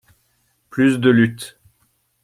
Plus de luttes.